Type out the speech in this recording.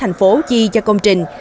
thành phố chi cho công trình